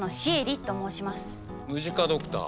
ムジカドクター？